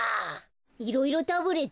いろいろタブレット？